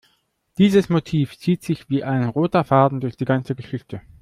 Dieses Motiv zieht sich wie ein roter Faden durch die ganze Geschichte.